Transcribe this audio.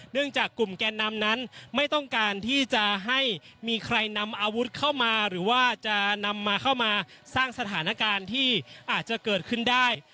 จากกลุ่มแกนนำนั้นไม่ต้องการที่จะให้มีใครนำอาวุธเข้ามาหรือว่าจะนำมาเข้ามาสร้างสถานการณ์ที่อาจจะเกิดขึ้นได้